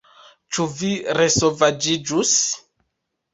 Ĉu vi resovaĝiĝus?